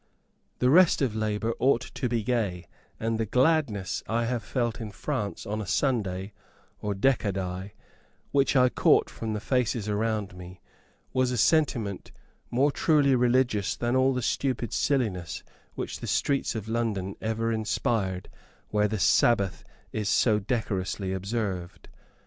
The rest of labour ought to be gay; and the gladness I have felt in France on a Sunday, or Decadi, which I caught from the faces around me, was a sentiment more truly religious than all the stupid stillness which the streets of London ever inspired where the Sabbath is so decorously observed.